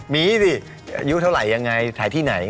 มีสิอายุเท่าไหร่ยังไงถ่ายที่ไหน